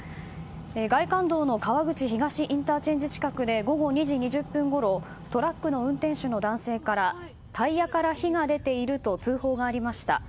外環道の川口東ＩＣ近くで午後２時２０分ごろトラックの運転手の男性からタイヤから火が出ていると通報がありました。